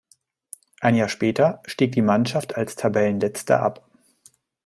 Ein Jahr später stieg die Mannschaft als Tabellenletzter ab.